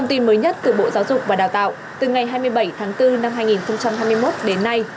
thông tin mới nhất từ bộ giáo dục và đào tạo từ ngày hai mươi bảy tháng bốn năm hai nghìn hai mươi một đến nay